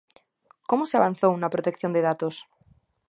Como se avanzou na protección de datos?